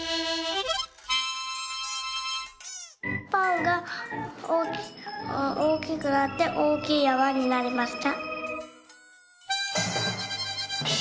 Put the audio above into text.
「パンがおおきくなっておおきいやまになりました」。